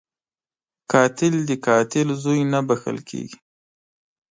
قاتل د قاتل زوی نه بخښل کېږي